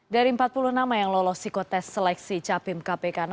dari empat puluh nama yang lolos psikotest seleksi capim kpk